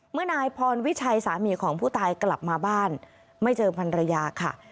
นายพรวิชัยสามีของผู้ตายกลับมาบ้านไม่เจอพันรยาค่ะ